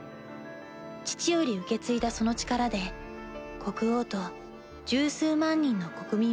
父より受け継いだその力で国王と１０数万人の国民